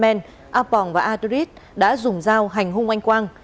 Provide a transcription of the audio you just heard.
men a pong và a dris đã dùng dao hành hung anh quang